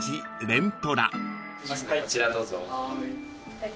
こちらどうぞ。